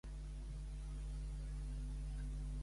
Segons Sidney Lumet, és una obra divertida?